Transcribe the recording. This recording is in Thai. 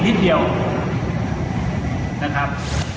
นะครับ